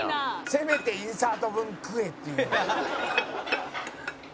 「せめてインサート分食えっていう」